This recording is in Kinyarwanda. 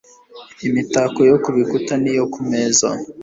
imitako yo ku bikuta n'iyo ku meza.